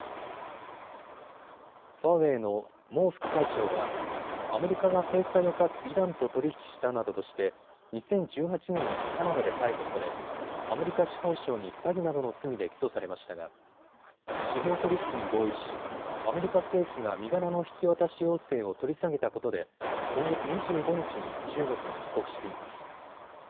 ファーウェイの孟副会長はアメリカが制裁を科すイランと取り引きしたなどとして２０１８年にカナダで逮捕されアメリカ司法省に詐欺などの罪で起訴されましたが司法取引に合意しアメリカ政府が身柄の引き渡し要請を取り下げたことで今月２５日に中国に帰国しています。